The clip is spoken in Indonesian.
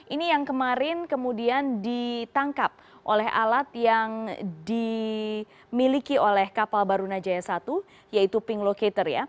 ini yang kemarin kemudian ditangkap oleh alat yang dimiliki oleh kapal barunajaya satu yaitu ping locator ya